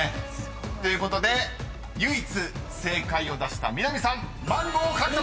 ［ということで唯一正解を出した南さんマンゴー獲得です！